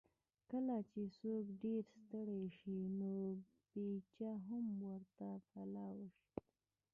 کله چې څوک ډېر ستړی شي، نو پېڅه هم ورته پلاو شي.